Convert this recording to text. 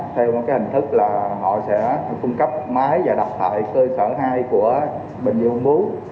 theo cái hình thức là họ sẽ cung cấp máy và đặt tại cơ sở hai của bình dương bú